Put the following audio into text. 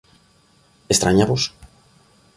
Estráñavos?